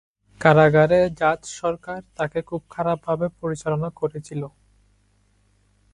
কারাগারে ডাচ সরকার তাকে খুব খারাপভাবে পরিচালনা করেছিল।